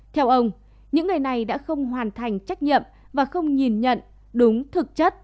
theo ông những người này đã không hoàn thành trách nhiệm và không nhìn nhận đúng thực chất